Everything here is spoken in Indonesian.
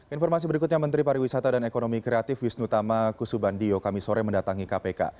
informasi berikutnya menteri pariwisata dan ekonomi kreatif wisnu tama kusubandio kamisore mendatangi kpk